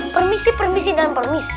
permisi permisi dan permisi